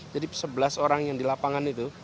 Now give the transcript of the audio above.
sebelas orang yang di lapangan itu